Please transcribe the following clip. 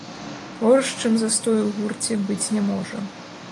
Горш, чым застой у гурце, быць не можа.